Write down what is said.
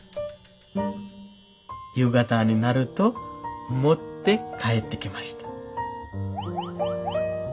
「夕方になると持って帰ってきました」。